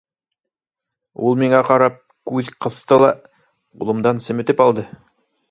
Ул миңә ҡарап күҙ ҡыҫты ла ҡулымдан семетеп алды.